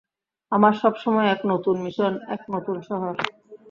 আমার সবসময় এক নতুন মিশন, এক নতুন শহর।